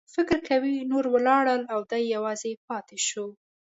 فکر کوي نور ولاړل او دی یوازې پاتې شو.